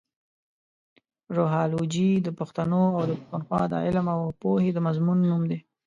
روهالوجي د پښتنو اٶ د پښتونخوا د علم اٶ پوهې د مضمون نوم دې.